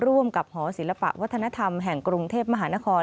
ร่วมกับหอศิลปะวัฒนธรรมแห่งกรุงเทพมหานคร